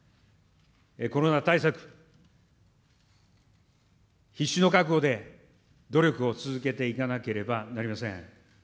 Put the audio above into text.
コロナ対策、必死の覚悟で努力を続けていかなければなりません。